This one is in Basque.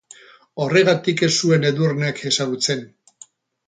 Horregatik ez zuen Edurnek ezagutzen.